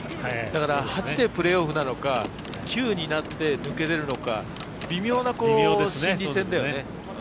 だから、８でプレーオフなのか９になって抜けれるのか微妙な心理戦だよね。